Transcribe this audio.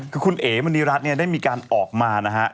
คือคุณเอ๋มณีรัฐได้มีการออกมานะครับ